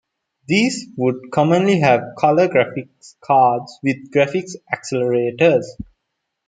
These would commonly have color graphics cards with graphics accelerators.